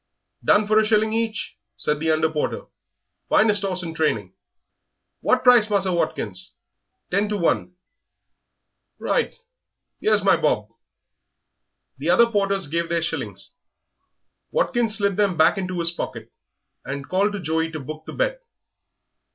"Done for a shilling each," said the under porter; "finest 'orse in training.... What price, Musser Watkins?" "Ten to one." "Right, 'ere's my bob." The other porters gave their shillings; Watkins slid them back into his pocket, and called to Joey to book the bet.